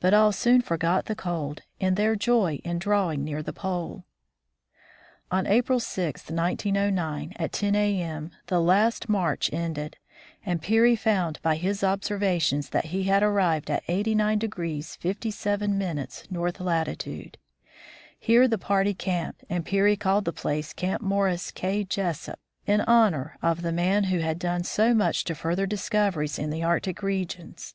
But all soon forgot the cold in their joy in drawing near the Pole. On April 6, 1909, at ten a.m. the last march ended, and Peary found by his observations that he had arrived at 89 57' north latitude. Here the party camped, and Peary called the place Camp Morris K. Jesup in honor of the man who had done so much to further discoveries in the Arctic regions.